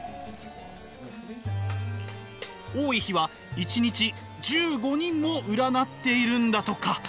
多い日は１日１５人も占っているんだとか。